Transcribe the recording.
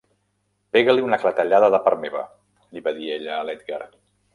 "Pega-li una clatellada de part meva!", li va dir ella a l'Edgar.